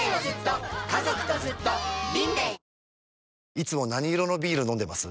いつも何色のビール飲んでます？